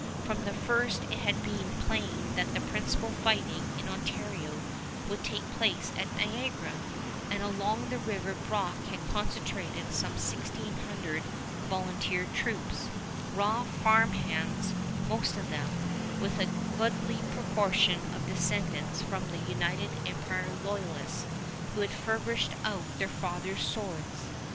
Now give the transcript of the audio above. From the first it had been plain that the principal fighting in Ontario would take place at Niagara, and along the river Brock had concentrated some sixteen hundred volunteer troops, raw farm hands most of them, with a goodly proportion of descendants from the United Empire Loyalists, who had furbished out their fathers' swords.